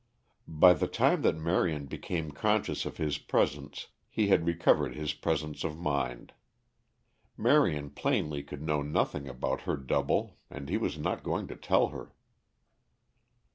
By the time that Marion became conscious of his presence he had recovered his presence of mind. Marion plainly could know nothing about her double and he was not going to tell her.